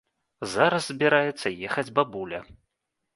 Зараз збіраецца ехаць бабуля.